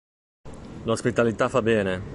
L’ospitalità fa bene.